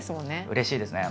うれしいですね。